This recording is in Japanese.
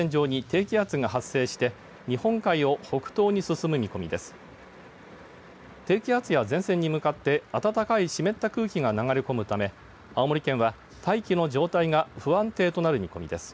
低気圧や前線に向かって暖かい湿った空気が流れ込むため青森県は大気の状態が不安定となる見込みです。